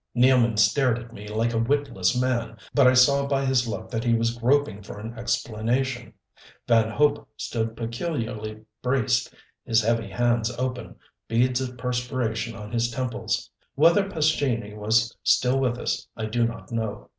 Nealman stared at me like a witless man, but I saw by his look that he was groping for an explanation. Van Hope stood peculiarly braced, his heavy hands open, beads of perspiration on his temples. Whether Pescini was still with us I do not know.